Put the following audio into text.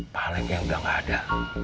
paling yang udah gak ada